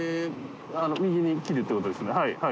あの右に切るってことですねはい。